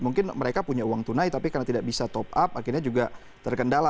mungkin mereka punya uang tunai tapi karena tidak bisa top up akhirnya juga terkendala